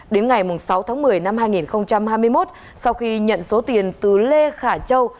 đến ngày sáu tháng một mươi năm hai nghìn hai mươi một sau khi nhận số tiền từ lê khả châu